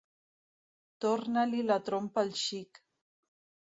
Torna-li la trompa al xic!